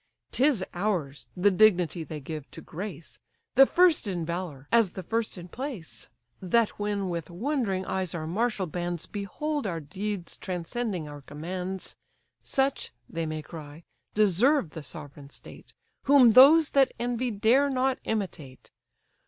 'Tis ours, the dignity they give to grace; The first in valour, as the first in place; That when with wondering eyes our martial bands Behold our deeds transcending our commands, Such, they may cry, deserve the sovereign state, Whom those that envy dare not imitate!